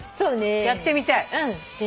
やってみたい。